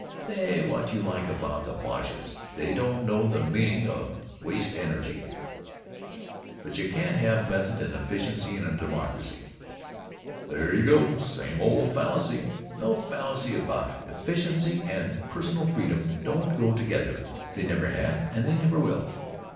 "Say what you like about the Boches, they don't know the meaning of waste energy." "But you can't have method and efficiency in a democracy." "There you go! Same old fallacy!" "No fallacy about it! Efficiency and personal freedom don't go together. They never have and they never will."